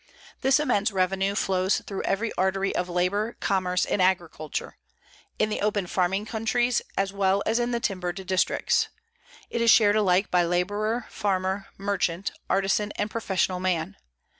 _ This immense revenue flows through every artery of labor, commerce and agriculture; in the open farming countries as well as in the timbered districts. It is shared alike by laborer, farmer, merchant, artisan and professional man.